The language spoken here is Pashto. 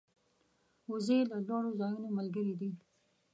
وزې د لوړو ځایونو ملګرې دي